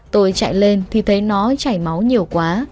tôi chạy lên thì thấy nó chảy máu nhiều quá